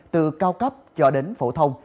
từ cao cấp cho đến phổ thông